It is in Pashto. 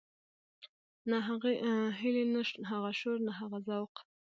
نه هغه هيلې نه هغه شور نه هغه ذوق.